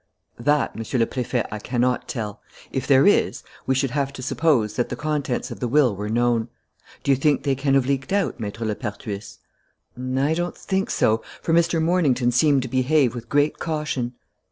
"That, Monsieur le Préfet, I cannot tell. If there is, we should have to suppose that the contents of the will were known. Do you think they can have leaked out, Maître Lepertuis?" "I don't think so, for Mr. Mornington seemed to behave with great caution."